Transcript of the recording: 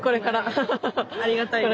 ありがたいです。